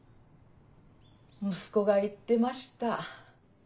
息子が言ってました。